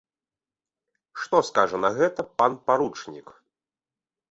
Што скажа на гэта пан паручнік?